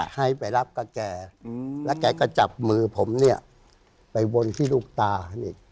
ให้ไปรับกับแกแล้วแกก็จับมือผมเนี่ยไปวนที่ลูกตานี่